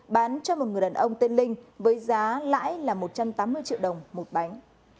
bán cho một người đàn ông tên linh với giá lãi là một trăm tám mươi triệu đồng một bánh